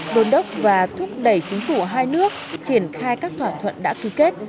đồn đốc và thúc đẩy chính phủ hai nước triển khai các thỏa thuận đã ký kết